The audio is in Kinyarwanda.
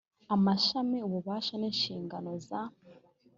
amashami ububasha n inshingano za